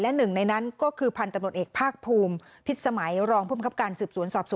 หนึ่งในนั้นก็คือพันธุ์ตำรวจเอกภาคภูมิพิษสมัยรองภูมิครับการสืบสวนสอบสวน